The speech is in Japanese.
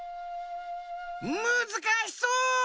むずかしそう！